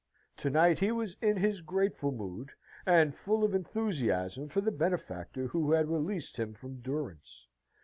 To night he was in his grateful mood, and full of enthusiasm for the benefactor who had released him from durance.